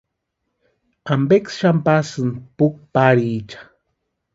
¿Ampeksï xani pasïni puki pariecha?